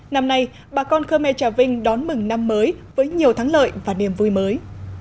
năm nay bà con khmer trà vinh đón mừng năm mới với nhiều thắng lợi và niềm vui mới